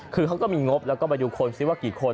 คือเขาก็มีงบแล้วก็ไปดูคนซิว่ากี่คน